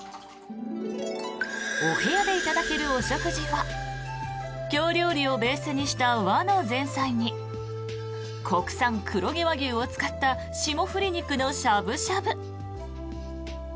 お部屋でいただけるお食事は京料理をベースにした和の前菜に国産黒毛和牛を使った霜降り肉のしゃぶしゃぶ。